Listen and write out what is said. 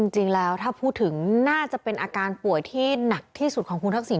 จริงแล้วถ้าพูดถึงน่าจะเป็นอาการป่วยที่หนักที่สุดของคุณทักษิณ